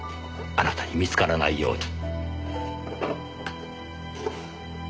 あなたに見つからないように。